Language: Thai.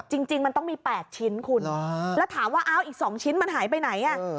จริงจริงมันต้องมีแปดชิ้นคุณแล้วถามว่าเอาอีกสองชิ้นมันหายไปไหนอ่ะ